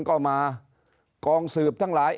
ก็มากองสืบทั้งหลาย